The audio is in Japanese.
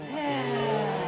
へえ。